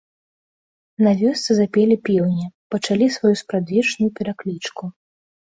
На вёсцы запелі пеўні, пачалі сваю спрадвечную пераклічку.